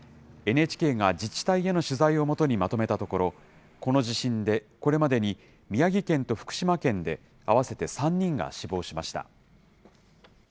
ＮＨＫが自治体への取材をもとにまとめたところ、この地震でこれまでに宮城県と福島県で合わせて３人が死亡しました。